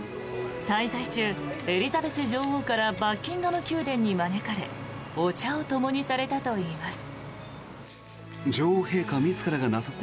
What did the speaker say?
滞在中、エリザベス女王からバッキンガム宮殿に招かれお茶をともにされたといいます。